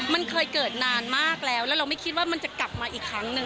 มันเคยเกิดนานมากแล้วแล้วเราไม่คิดว่ามันจะกลับมาอีกครั้งหนึ่ง